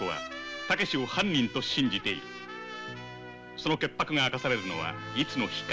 その潔白が明かされるのはいつの日か。